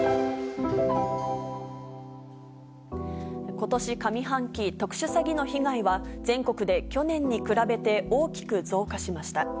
ことし上半期、特殊詐欺の被害は、全国で去年に比べて大きく増加しました。